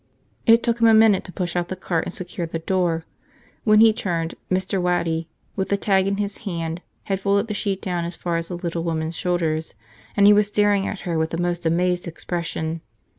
It took him a minute to push out the cart and secure the door. When he turned Mr. Waddy, with the tag in his hand, had folded the sheet down as far as the little woman's shoulders and he was staring at her with a most amazed expression.